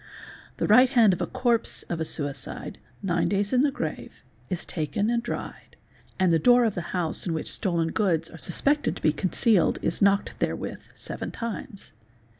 The right hand of the corpse of a suicide, nine days in the grave, is taken and dried, and the door of the house in which stolen goods are suspected to be con cealed is knocked therewith seven times.